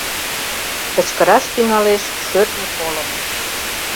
Кычкыраш тӱҥалеш шӧртньӧ колым.